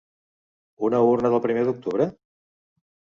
Una urna del primer d'octubre?